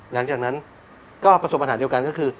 หลังจากนั้นก็ประสบปัญหาเดียวกันก็คือ